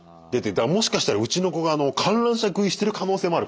もしかしたらうちの子が観覧車食いしてる可能性もあるからね。